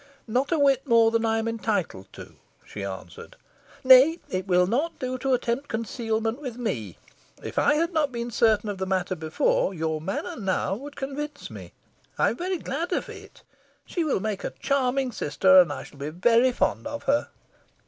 "Not a whit more than I am entitled to," she answered. "Nay, it will not do to attempt concealment with me. If I had not been certain of the matter before, your manner now would convince me. I am very glad of it. She will make a charming sister, and I shall he very fond of her."